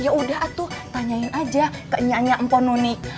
yaudah atuh tanyain aja ke nyanya empononi